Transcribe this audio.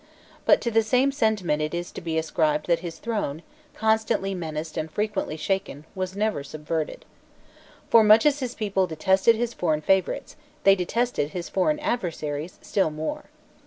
But to the same sentiment it is to be ascribed that his throne, constantly menaced and frequently shaken, was never subverted. For, much as his people detested his foreign favourites, they detested his foreign adversaries still more.